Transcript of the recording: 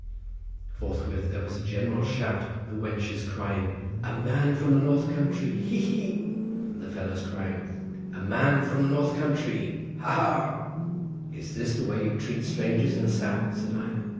Forthwith there was a general shout—the wenches crying: "A man from the north country, hee, hee!" and the fellows crying: "A man from the north country, hoo, hoo!" "Is this the way you treat strangers in the south?" said I.